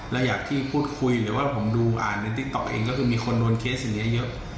อยากที่พูดคุยหรือว่าผมดูอ่านในติ๊กต๊อกเองก็คือมีคนโดนเคสอย่างนี้เยอะ